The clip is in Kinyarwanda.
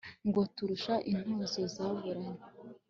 Ngo turusha intozo zaburaye